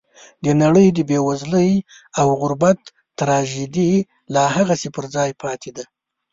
د نړۍ د بېوزلۍ او غربت تراژیدي لا هغسې پر ځای پاتې ده.